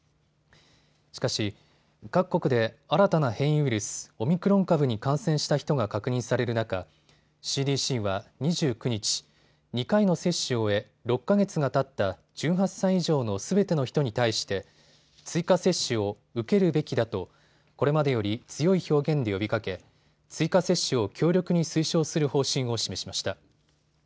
しかし、各国で新たな変異ウイルス、オミクロン株に感染した人が確認される中、ＣＤＣは２９日、２回の接種を終え６か月がたった１８歳以上のすべての人に対して追加接種を受けるべきだとこれまでより強い表現で呼びかけ、追加接種を強力に推奨する方針を示しました。